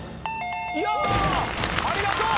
ありがとう！